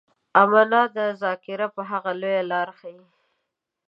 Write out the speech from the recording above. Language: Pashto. امنا ده ذاکره په هغه لويه لاښي.